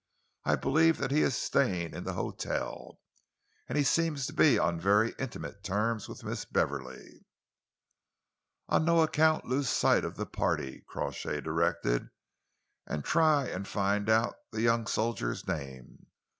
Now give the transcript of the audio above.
"I believe that he is staying in the hotel, and he seems to be on very intimate terms with Miss Beverley." "On no account lose sight of the party," Crawshay directed, "and try and find out the young soldier's name.